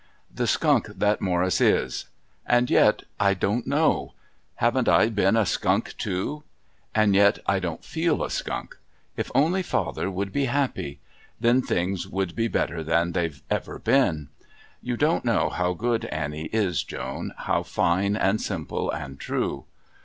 The skunk that Morris is! And yet I don't know. Haven't I been a skunk too? And yet I don't feel a skunk. If only father would be happy! Then things would be better than they've ever been. You don't know how good Annie is, Joan. How fine and simple and true!